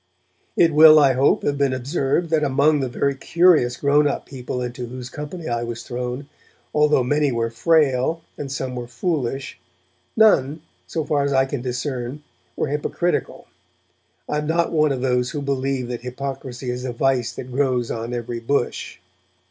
It will, I hope, have been observed that among the very curious grown up people into whose company I was thrown, although many were frail and some were foolish, none, so far as I can discern, were hypocritical. I am not one of those who believe that hypocrisy is a vice that grows on every bush.